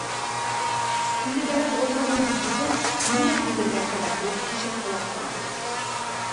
Тилебәрән орлоғоноң һутын күҙенә һибергә кәрәк ул тишек ҡолаҡтың!